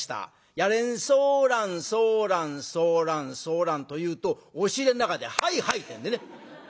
「ヤーレンソーランソーランソーランソーラン」と言うと押し入れの中で「ハイハイ」ってんでね。